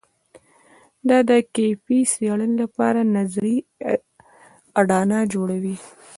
دا د کیفي څېړنې لپاره نظري اډانه جوړوي.